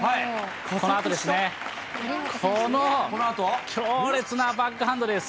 この強烈なバックハンドです。